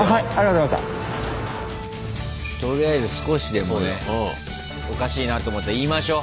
とりあえず少しでもねおかしいなと思ったら言いましょ。